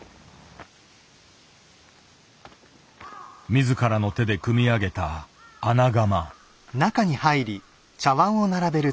自らの手で組み上げた「穴窯」。